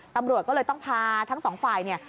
ตำรวจก็เลยต้องพาทั้งสองฝ่ายเนี่ย